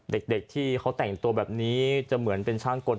เด็กที่เขาแต่งตัวแบบนี้จะเหมือนเป็นช่างกล